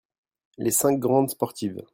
Les cinq grandes sportives.